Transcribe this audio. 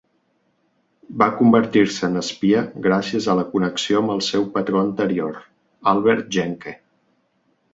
Va convertir-se en espia gràcies a la connexió amb el seu patró anterior, Albert Jenke.